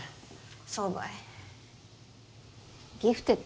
そうばいギフテッド？